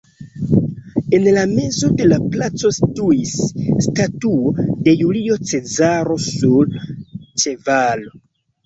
En la mezo de la placo situis statuo de Julio Cezaro sur ĉevalo.